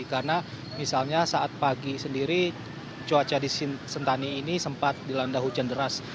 karena misalnya saat pagi sendiri cuaca di sentani ini sempat dilanda hujan deras